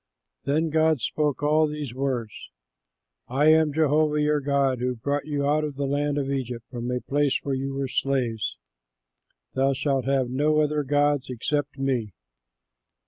Then God spoke all these words: "I am Jehovah your God who brought you out of the land of Egypt, from a place where you were slaves. "THOU SHALT HAVE NO OTHER GODS EXCEPT ME.